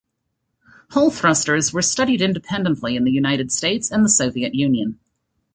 Hall thrusters were studied independently in the United States and the Soviet Union.